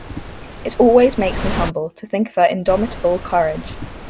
It always makes me humble to think of her indomitable courage.